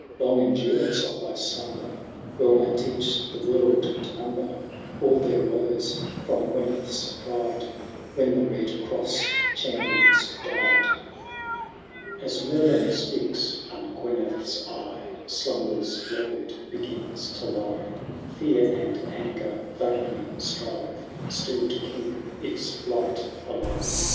Long endurance of thy slumber WeU may teach the world to number All their woes from Gyneth'b pride, When the Bed Cross champions died.* XXVIL As Merlin speaks, on 6yneth*8 eye Slumber's load begins to lie ; Fear and anger vainly strive Still to keep its light aUve.